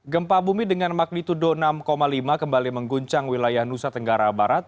gempa bumi dengan magnitudo enam lima kembali mengguncang wilayah nusa tenggara barat